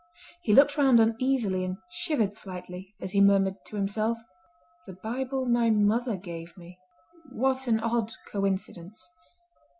He looked round uneasily and shivered slightly, as he murmured to himself: "The Bible my mother gave me! What an odd coincidence."